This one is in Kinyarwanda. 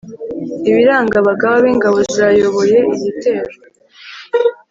ibiranga abagaba b'ingabo zayoboye igitero